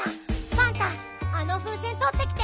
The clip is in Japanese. パンタあのふうせんとってきて！